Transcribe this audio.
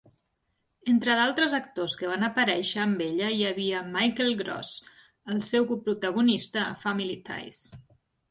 Entre d'altres actors que van aparèixer amb ella hi havia Michael Gross, el seu coprotagonista a "Family Ties".